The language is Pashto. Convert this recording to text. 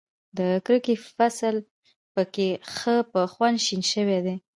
د کرکې فصل په کې ښه په خوند شین شوی دی.